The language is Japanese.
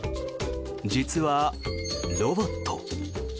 実は、ロボット。